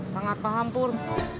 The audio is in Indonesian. sangat paham pur